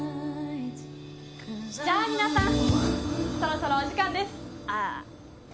じゃあみなさんそろそろお時間です。